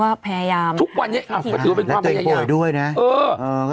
และเป็นความพยายาม